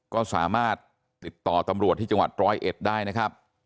ก็สามารถติดต่อตำรวจที่จังหวัดร้อยเอ็ดได้นะครับ